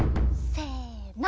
せの。